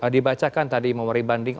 dibacakan tadi memori banding